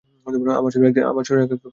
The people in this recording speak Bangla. আমার শরীর একরকম চলে যাচ্ছে।